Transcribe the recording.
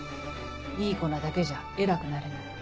いい子なだけじゃ偉くなれない。